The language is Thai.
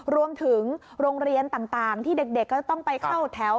โรงเรียนต่างที่เด็กก็ต้องไปเข้าแถว